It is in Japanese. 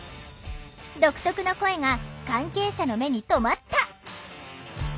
独特の声が関係者の目に留まった。